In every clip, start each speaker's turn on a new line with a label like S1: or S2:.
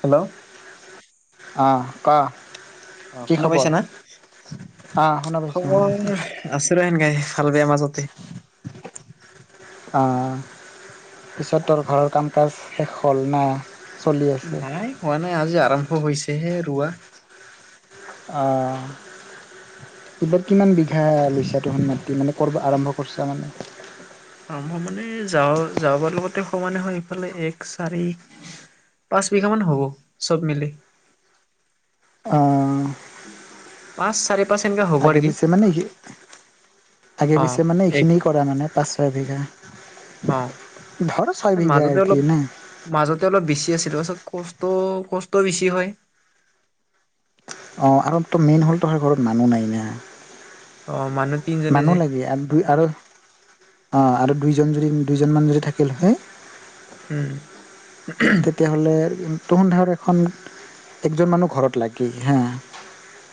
S1: Hello
S2: অ ক'
S1: অ
S2: কি
S1: শুনা
S2: খবৰ?
S1: পাইছা না
S2: অ', শুনা পাইছোঁ শুনা
S1: খবৰ
S2: পাইছোঁ।
S1: আছে এনকেই ভাল বেয়া মাজতে।
S2: অ পিছত তোৰ ঘৰৰ কাম কাজ শেষ হ'ল নাই?
S1: হোৱা নাই হোৱা নাই আজি আৰম্ভ হৈছেহে ৰোৱা।
S2: অ। এইবাৰ কিমান বিঘা লৈছা তহত মাটি মানে কৰব আৰম্ভ কৰিছা মানে।
S1: আৰম্ভ মানে যাওঁ যাবৰ লগতে সমানে হয় ইফালে এক চাৰি। পাঁচ বিঘা মান হ'ব চব মিলি।
S2: অঁহ
S1: পাঁচ চাৰে পাঁচয়ে
S2: আগে পিছে মানে এইখিনি আগে
S1: অ
S2: পিছে মানে
S1: এক
S2: এইখিনি- কৰা মানে পাঁচ ছয় বিঘা
S1: অ
S2: ধৰ ছয় বিঘা‌
S1: মাজতে
S2: কি
S1: অলপ
S2: নে
S1: মাজতে অলপ বেছি আছিলো তাৰ পিছত কষ্ট কষ্ট বেছি হয়।
S2: অহ আৰু তো মেইন হ'ল তহঁতৰ ঘৰত মানুহ নাই না
S1: অ মানুহ তিনজনে
S2: মানুহ
S1: যে
S2: লাগে আৰু দুই আৰু অহ আৰু দুইজন যদি দুইজনমান যদি থাকিল হয়।
S1: উম হুহ
S2: তেতিয়াহ'লে তোৰসন্ধাৰৰ এখন একজন মানুহ ঘৰত লাগে হা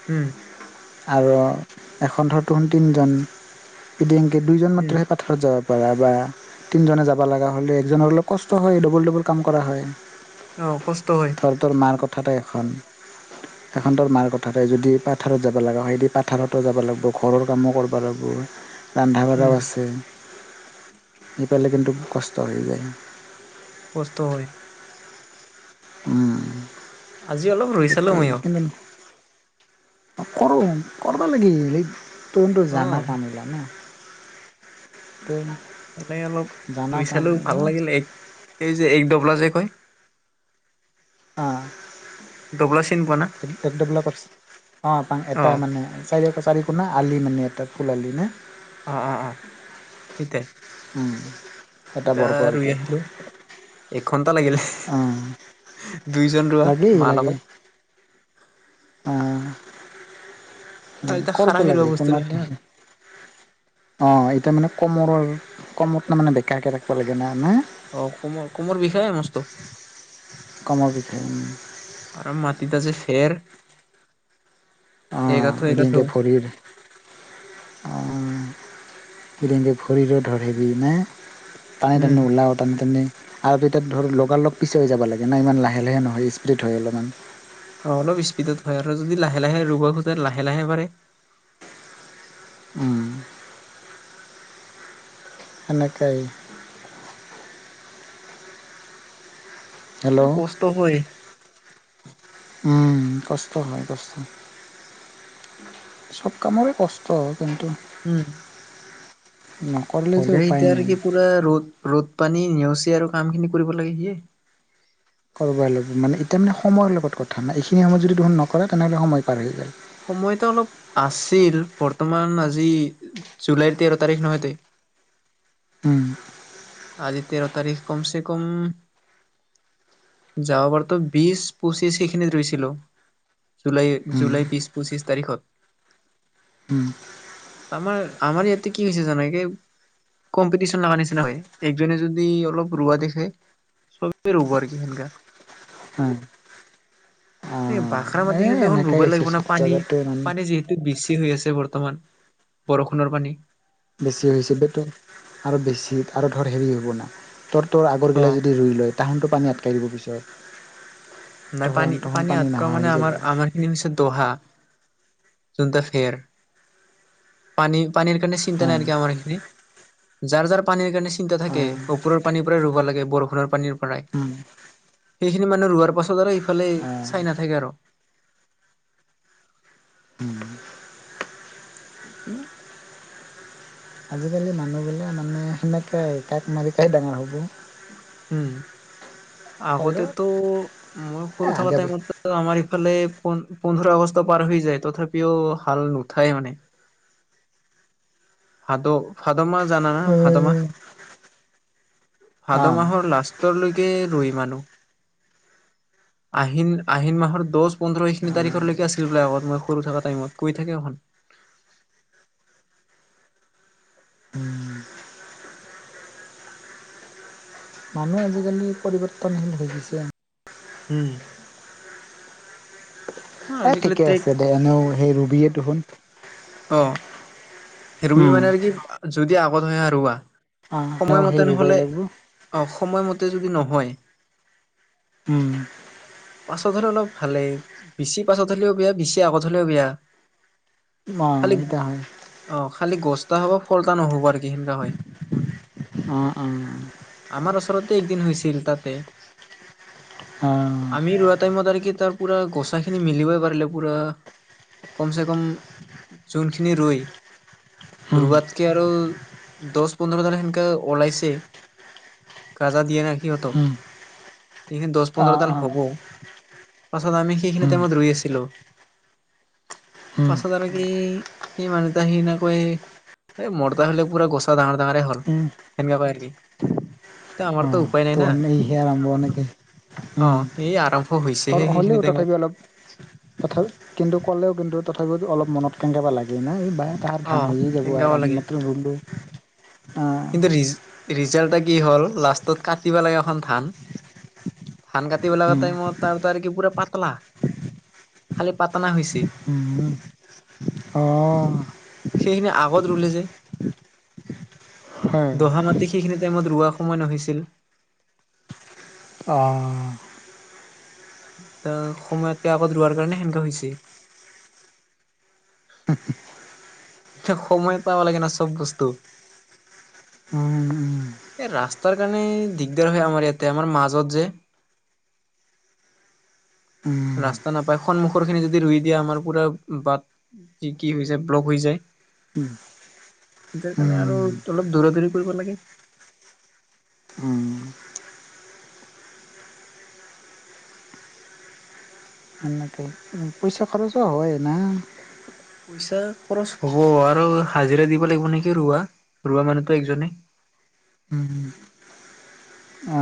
S1: উম
S2: আৰু এখন ধৰ তোন তিনিজন এদিন কে দুইজন
S1: উম
S2: মাত্ৰহে পা পথ যাব পাৰা বা তিনিজনে যাবা লগা হ'লে একজনৰ অলপ কষ্ট হয় ডবল, ডবল কাম কৰা হয়!
S1: অহ', কষ্ট হয়!
S2: ধৰ তোৰ মাৰ কথাতে এখন এখন তোৰ মাৰ কথাতে যদি পাথাৰত যাব লগা হয়! সেইদি পাথাৰতো যাবা লাগিব! ঘৰৰ কামো কৰবা লাগ উম ৰান্ধা
S1: উম
S2: বঢ়াও আছে! সেইফালে কিন্তু কষ্ট হৈ যায়!
S1: কষ্ট হয়!
S2: উম,
S1: আজি অলপ ৰুই চালো
S2: এতিয়া
S1: মইও
S2: সেইকানে কৰোঁ! কৰবা লাগে হেই তোনটো জানা
S1: অ
S2: কাম বিলাক ন কেই না
S1: এনেই অলপ
S2: জানা
S1: ৰোগ
S2: কাম
S1: চালোঁ ভাল
S2: না।
S1: লাগিলে এই যে এক ডবলা যে কয়
S2: অ'হ
S1: ডবলা চিন পোৱা না
S2: এক ডবলা অহ'
S1: অ
S2: এটা মানে চাইদে আছে চাৰি ফুট না‌ আলি মানে এটা ফুল আলি নে
S1: অহ', অহ', অহ', থিকে
S2: উম এটা
S1: এতিয়া
S2: বৰ্গ
S1: আৰু
S2: কি
S1: ৰুই আহিলোঁ! এঘন্টা লাগিলে
S2: অ
S1: হুেহ দুইজন ৰোৱা
S2: লাগেই
S1: মাৰ লগত
S2: হয় হয় ',
S1: আৰু
S2: লাগে
S1: এতিয়া
S2: কৰিব
S1: খাৰা হেৰুৱা
S2: লাগে
S1: বস্তু
S2: কোন
S1: নহয়
S2: ক
S1: না
S2: অহ', এতিয়া মানে কমৰৰ কমত ন মানে বেকাকে ৰাখিব লাগে না না
S1: অ'হ, অসমৰ, অসমৰ বিষায়ে মস্ত
S2: কমৰ বিষয়ে
S1: আৰু মাটি আজি খেৰ
S2: অহ', যদি
S1: এগাঠো
S2: এনেকে ভৰিৰ অ'হ, কিন্তু এদিন ভৰিৰে দৰিবি নে তাই
S1: উম
S2: টানি ওলাও টানি, টানি আৰু তেতিয়া ধৰি লগালগ পিছুৱাই যাবা লাগে! না ইমান লাহে, লাহে নহয় ইস্পীড হয়! অলপমান
S1: অহ', অলপ ইস্পীডত হয় আৰু যদি লাহে, লাহে ৰুব খোজে লাহে, লাহে পাৰে!
S2: উম সেনেকাই হেল্ল'
S1: কষ্ট হয়
S2: উম, কষ্ট হয়! কষ্ট চব কামৰে কষ্ট হয়! কিন্তু
S1: উম
S2: অ'।
S1: হ'লে এতিয়া আৰু কি পোৰা ৰ'দ, ৰ'দ পানী নেওচি আৰু কামখিনি কৰিব লাগে সেয়েই।
S2: [unintelligible] মানে এতিয়া মানে সময়ৰ লগত কথা নাই এইখিনি সময়ত যদি তোমাৰ নকৰে তেনেহ'লে সময় পাৰ হৈ যায়।
S1: সময়টো অলপ আছিল, বৰ্তমান আজি, জুলাইৰ তেৰ তাৰিখ নহয়তে।
S2: উম।
S1: আজি তেৰ তাৰিখ কমছে কম যোৱা বাৰতো বিছ পঁচিছ সেইখিনিত ৰৈছিলোঁ। জুলাই,
S2: উম,
S1: জুলাই বিশ পঁচিছ তাৰিখত।
S2: উম।
S1: আমাৰ, আমাৰ ইয়াতে কি হৈছে জানে কে কম্পিটিশ্যন লগা নিচিনা হয়, একজনে যদি অলপ ৰোৱা দেখে চবেই ৰুব আৰু সেনেকা।
S2: হয়।
S1: এই বাখা
S2: এ
S1: মাটিখিনিত দেখোন
S2: এনেকাই
S1: ৰুবই
S2: হৈছে
S1: লাগিব, না
S2: চব
S1: পানী,
S2: জাগাতে মানে
S1: পানী যিহেতু এইটো বেছি হৈ আছে বৰ্তমান, বৰষুণৰ পানী।
S2: বেছি হৈছে, [unintelligible] আৰু বেছি আৰু ধৰ, ধৰ হেৰি হ'ব না। তৰ তোৰ আগৰ
S1: অ
S2: গিলা যদি ৰুই লয় তাহনতো পানী আটকাই দিব পিছত।
S1: নাই
S2: তহন
S1: পানী,
S2: তহন
S1: পানী অতকা
S2: নাহা
S1: মানে
S2: হৈ যাব।
S1: আমাৰ, আমাৰ ইনচে দহা, জোনটো এয়াৰ, পানী পানীৰ কাৰণে চি চিন্তা নাই
S2: অ',
S1: নেকি আমাৰ এইখিনিত। যাৰ যাৰ পানীৰ কাৰণে চিন্তা থাকে,
S2: অ',
S1: ওপৰৰ পানীৰ পৰাই ৰু'ব লাগে বৰষুণৰ পানীৰ পৰাই।
S2: উম,
S1: সেইখিনি মানে ৰোৱাৰ পাছত আৰু ইফালে
S2: অ'।
S1: চাই নাথাকে আৰু।
S2: উম।
S1: [inaudible]
S2: আজিকালি মানুহবিলাক মানে সেনেকোৱাই আৰু, তাক মাৰি খাই ডাঙৰ হ'ব।
S1: উম,
S2: হ'লেও
S1: আগতেতো মই
S2: এ
S1: সৰু থকা
S2: আগে
S1: টাইমটো আমাৰ ইফালে পোন্ধ, পোন্ধৰ আগষ্ট পাৰ হৈ যায়, তথাপিও হাল নুঠায়েই মানে। ভাদ, ভাদ মাহ জানা না, ভাদ মাহ। ভাদ
S2: অঁ
S1: মাহৰ লাষ্টৰলৈকে ৰুই মানুহ। [inaudible] আহিন আহিন মাহৰ দহ পোন্ধৰ এইখিনি তাৰিখলৈকে আছিল বোলে আগত মই সৰু থকা টাইমত কৈ থাকে দেখোন।
S2: মানুহ আজিকালি পৰিৱৰ্তনশীল হৈ গৈছে।
S1: উম।
S2: এ
S1: আজিকালি
S2: ঠিকে
S1: ট্ৰেক
S2: আছে, দে এনেও সেই ৰুবিয়েই দেখোন।
S1: অ', ৰুই
S2: উম
S1: মানে আৰু কি যদি আগত হয় আহ ৰুৱা।
S2: অঁ এনেও
S1: সময়
S2: সেই
S1: মতে
S2: ৰুবই
S1: নহ'লে,
S2: লাগিব
S1: অ' সময়মতে যদি নহয়।
S2: উম।
S1: পাছত হ'লে অলপ ভালেই, বেছি পাছত হ'লেও বেয়া, বেছি আগত হ'লেও বেয়া।
S2: অ'
S1: খালি
S2: এইটো হয়।
S1: অ' খালি গছটা হ'ব, ফলটা নহব আৰু কি সেনেকা হয়।
S2: অঁ অঁ
S1: আমাৰ ওচৰতে একদিন হৈছিল তাতে,
S2: অঁ
S1: আমি ৰোৱাত টাইমত আৰু কি তাৰ পোৰা গছাখিনি মিলিবই পাৰিলে পোৰা, কম চে কম যোনখিনি ৰুই,
S2: উম
S1: ৰোৱাত কে আৰু, দহ পোন্ধৰজনে সেনেকা ওলাইছে। গাজা দিয়ে না সিহঁতক,
S2: উম
S1: এইখিনি দছ পোন্ধৰ
S2: অঁ
S1: টান
S2: অঁ
S1: হ'ব। পাছত আমি সেইখিনি
S2: উম
S1: টাইমত ৰুই আছিলো।
S2: উম
S1: পাছত আমি ই সি মানুহতা সিনা কৈ এই মৰতা হ'লে পুৰা গছা ডাঙৰ ডাঙৰে হ'ল।
S2: উম
S1: সেনেকা কয় আৰ কি ত আমাৰতো
S2: অঁ
S1: উপায় নাই না।
S2: [unintelligible] উম
S1: অ এই আৰম্ভ
S2: তৰ
S1: হৈছেহে সেইখিনি
S2: হ'লেও
S1: টাইমত
S2: তথাপি অলপ তথাও কিন্তু ক'লেও কিন্তু তথাপিও অলপ মনত কেনকাবা লাগেই নাই বাই তাৰ
S1: অ
S2: ধান হৈয়ে যাব
S1: তেনেকাব
S2: আৰু আমি
S1: লাগে
S2: মাত্ৰ ৰুলোঁ।
S1: কিন্তু ৰিজ ৰিজাল্টতা কি হ'ল লাষ্টত কাটিব লাগে এখন ধান ধান কাট- কাটিব লগা টাইমত তাৰ তাৰিকে পুৰা পাতলা খালি পাতনা হৈছি।
S2: উম অ।
S1: সেইখিনি আগত ৰুলে যে।
S2: হয়
S1: দহা মাটি সেইখিনি টাইমত ৰোৱা সময় নহৈছিল।
S2: অ।
S1: তা সময়তকে আগত ৰোৱাৰ কাৰণে সেনেকা হৈছি। খে সময়ত পাব লাগে না চব বস্তু।
S2: উ উম।
S1: এ ৰাস্তাৰ কাৰণে দিগদাৰ হয় আমাৰ ইয়াতে আমাৰ মাজত যে। ৰাস্তা নাপায় সন্মুখৰ খিনি যদি ৰুই দিয়ে আমাৰ পুৰা বাট কি কি হৈ যায় ব্লগ হৈ যায়। ইটাৰ কাৰণে আৰু অলপ দৌৰা দূৰি কৰিব লাগে।
S2: উম। এনেকে পইচা খৰছো হয় না?
S1: পইচা খৰচ হ'ব আৰু হাজিৰা দিব লাগিব নেকি ৰোৱা, ৰোৱা মানুহতো একজনে।
S2: উম হুম। অ।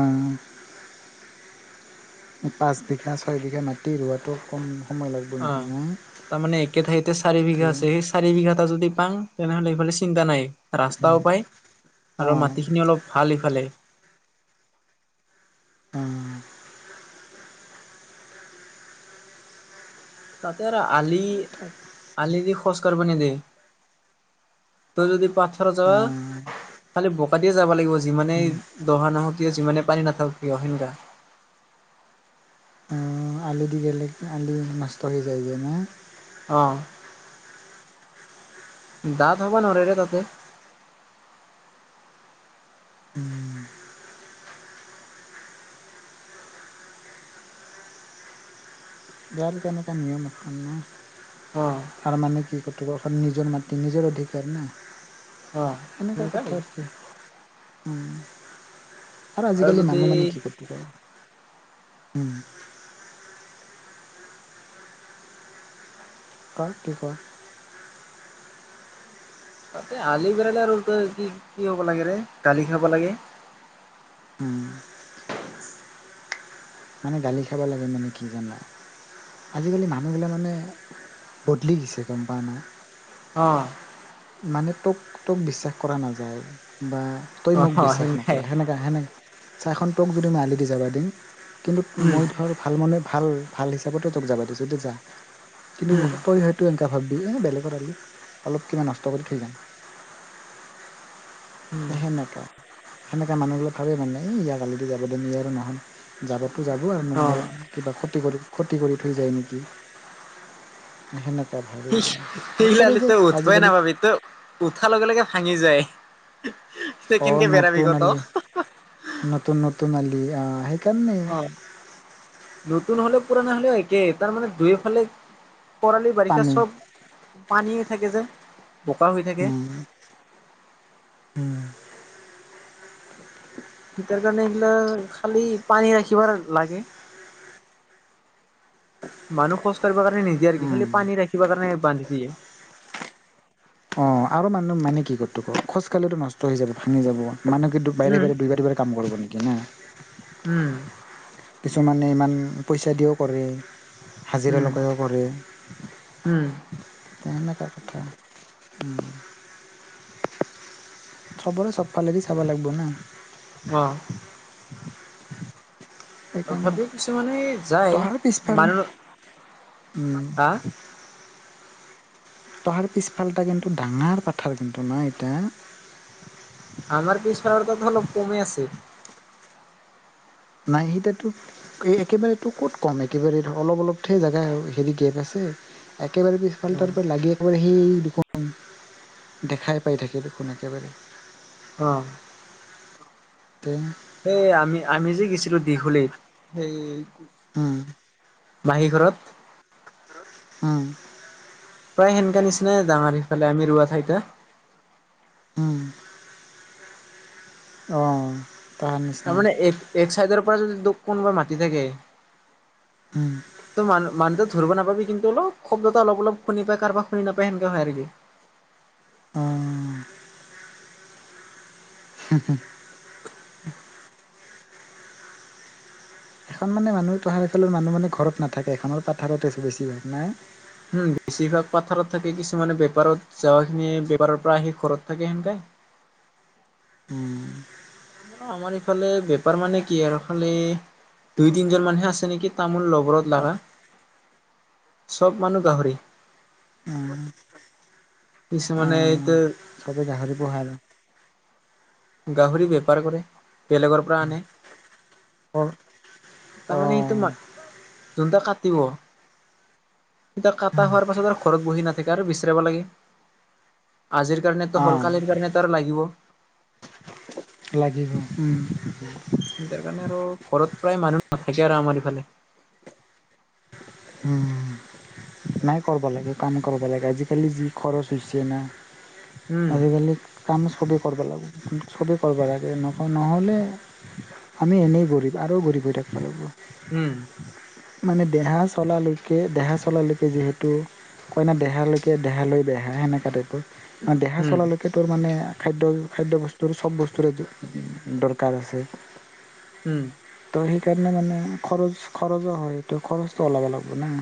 S2: পাঁচ বিঘা, ছয় বিঘা মাটি ৰোৱাটো কম সময় লাগিব
S1: অ
S2: নেকি না
S1: তাৰমানে একে ঠাইতে চাৰি বিঘা আছে সেইজ চাৰি বিঘা এটা যদি পাং তেনেহ'লে এইফালে চিন্তা নাই ৰাস্তাও পায় আৰু
S2: অঁ
S1: মাটিখিনি অলপ ভাল ইফালে
S2: অ।
S1: তাতে ৰ আলি আলি দি খজ কাঢ়িব নিদিয়ে। তোৰ যদি পাথৰ যৱা
S2: অঁ
S1: খালি বোকা দিয়ে যাব লাগিব যিমানেই দহা নহওঁক কিয়, যিমানে পানী নাথাকক কিয় সেনেকা।
S2: আলু দি গেলেক আলু নষ্ট হৈ যায় যেনে
S1: অ। দাঁত হ'ব নৰেৰে তাতে।
S2: যাৰ দোকানৰ পৰা নিয়ে মোক মানে
S1: অ
S2: তাৰ মানে কি? [unintelligible] নিজৰ মাটি নিজৰ অধিকাৰ না
S1: অ
S2: সেনেকুৱা
S1: সেনেকাই
S2: কথা আৰ কি। উম আৰু আজিকালি মানুহ মানে কি ক'তো ক উম কাৰ টি ক
S1: তাতে আলি বিৰালে আৰু তই কি কি হ'ব লাগে ৰে গালি খাব লাগে।
S2: উম। মানে দালি খাব লাগে মানে কি জানা আজিকালি মানুহবিলাক মানে বদলি দিছে, গম পাৱ না?
S1: অ'।
S2: মানে তোক তোক বিশ্বাস কৰা নাযায় বা তই মোক
S1: অ
S2: বিশ্বাস
S1: সেনেকাই
S2: নকৰে সেনেকে। [unintelligible] তোক যদি মই আলি দি যাব দিম, কিন্তু
S1: উম
S2: মই ধৰ ভাল মানে ভাল ভাল হিচাপতে তোক যাব দিছোঁ থিক আছা, কিন্তু
S1: উম
S2: তই এনেকে ভাবিবি, এই বেলেগত আালি অলপ কিবা নষ্ট কৰি থৈ যাম।
S1: উম
S2: সেনেকা। সেনেকা মানুহ বোৰে ভাবে মানে ই ইয়াক আালি দি যাব দিম, ই আৰু নহয়। যাবতো যাব আৰু
S1: অ
S2: ম কিবা ক্ষতি কৰি ক্ষতি কৰি থৈ যায় নেকি। [unintelligible] মানে আৰু
S1: শিল
S2: কৰে
S1: আলিত
S2: যে
S1: তই উঠবই
S2: আজিকালি
S1: নাপাবি, তই উঠাৰ লগে লগে ভাঙি যায়।
S2: অ নতুন আলি
S1: [unintelligible]
S2: নতুন নতুন আলি সেইকাৰণে
S1: অ' নতুন হ'লেও পুৰণা হলেও একেই, তাৰমানে দুয়োফালে খৰালি, বাৰিষা
S2: পানী
S1: চব পানীয়ে থাকে যে বোকা হৈ থাকে।
S2: উম'। হুম'।
S1: তাৰ কাৰণে এইগিলা খালি পানী ৰাখিব লাগে। মানুহ খোজ কাঢ়িব কাৰণে নিদিয়ে নেকি?
S2: উম
S1: খালি পানী ৰাখিব কাৰণে বান্ধি দিয়ে।
S2: অঁ, আৰু মানুহ মানে কি [unintelligible] খোজকাঢ়িলেতো নষ্ট হৈ যাব, ভাঙি যাব। মানুহ কি দু বাইৰে
S1: উম,
S2: বাইৰে দুই বাৰ বাৰে কাম কৰিব নেকি না?
S1: উম'।
S2: কিছুমানে ইমান পইচা দিওঁ কৰে। হাজিৰা
S1: উম,
S2: লগাইও কৰে
S1: উম,
S2: তেনেকা কথা। উম'। চবৰে চবফালেদি চাব লাগিব না।
S1: অ'।
S2: সেইকাৰণে
S1: তথাপিও কিছুমানে যায়,
S2: তহাৰ পিছফাল
S1: মানুহ
S2: উম
S1: হা
S2: তহাৰ পিছফালটা কিন্তু ডাঙৰ পথাৰ কিন্তু নাহ এইটা।
S1: আমাৰ পিছফালৰ [unintelligible] কমে আছে
S2: নাই, সেইতাতো একেবাৰেটো ক'ত ক'ম একেবাৰে অলপ অলপকেহে জেগা হেৰি গেপ আছে। একেবাৰে
S1: অ',
S2: পিছফালৰটো লাগে। আগৰ সেই দুখন, দেখাই পাই থাকে দেখোন একেবাৰে।
S1: অহ'।
S2: তে
S1: সেই আমি-আমি যে গেছিলো দীঘলীত, সেই
S2: উম'।
S1: মাহী ঘৰত।
S2: উম'।
S1: প্ৰায় সেনেকা নিচিনাই ডাঙৰ সিফালে আমি ৰুবা ঠাইটা।
S2: উম'। অ'।
S1: তাৰমানে এক-এক চাইডৰ পৰা যদি তোক কোনোবাই মাতি থাকে।
S2: উম'।
S1: ত' মানুহ মানু্হটো ধৰিব নাপাবি কিন্তু অলপ শব্দটা অলপ অলপ শুনি পাই কাৰোাক শুনি নাপায় সেনেককা হয় আৰু কি
S2: অঁ [unintelligible]
S1: [inaudible]
S2: এখন মানে মানুহ তহাৰ ফালৰ মানুহ মানে ঘৰত নাথাকে এখনৰ পথাৰত আছো বেছি ভাগ নাই।
S1: উম বেছিভাগ পথাৰত থাকে, কিছুমানে বেপাৰত যাৱা খিনিয়ে বেপাৰৰ পৰা আহি ঘৰত থাকে সেনকে।
S2: উম
S1: আমাৰ ইফালে বেপাৰ মানে কি আৰু খালি দুই তিনজন মানহে আছে নেকি তামোল লবৰত লগা, চব মানুহ গাহৰি
S2: উম
S1: কিছুমানে
S2: আহ
S1: এইটো
S2: চবে গাহৰি পোহাল।
S1: গাহৰি বেপাৰ কৰে, বেলেগৰ পৰা আনে।
S2: অ
S1: তাৰমানে সেইটো ন যোনটো কাটিব এইতা কাটা হোৱাৰ পাছত আৰু ঘৰত বহি নাথাকে আৰু বিচৰাব লাগে আজিৰ কাৰণেতো
S2: অ
S1: হ'ল কালিৰ কাৰণেতো আৰু লাগিব।
S2: লাগিব, উম
S1: তাৰ কাৰণে আৰু ঘৰত প্ৰায় মানুহ নাথাকে আৰু আমাৰ ইফালে।
S2: উম নাই কৰিব লাগে, কাম কৰিব লাগে আজিকালি যি খৰচ হৈছে না।
S1: উম
S2: আজিকালি কাম চবেই কৰিব লাগিব, কি চবেই কৰিব লাগে ন নহ'লে আমি এনেই গৰীব আৰু গৰীব হৈ থাকিব লাগিব।
S1: উম।
S2: মানে দেহাজ। চলালৈকে দেহা চলালৈকে যিহেতু কয়না দেহালৈকে দেহালৈ বেহা সেনেকুৱা টাইপত। অঁ, দেহা
S1: উম
S2: চলা লৈ ৰ মানে খাদ্য খাদ্য বস্তুৰ চব বস্তুৰে উ দৰকাৰ আছে।
S1: উম
S2: ত' সেইকাৰণে মানে খৰচ খৰচো হয়, ত খৰচটো ওলাব লাগিব না।